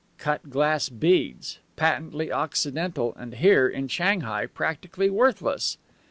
Cut glass beads, patently Occidental, and here in Shanghai practically worthless!